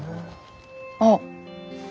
あっ。